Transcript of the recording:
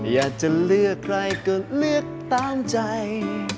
อยากจะเลือกใครก็เลือกตามใจ